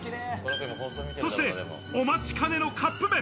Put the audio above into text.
そしてお待ちかねのカップ麺。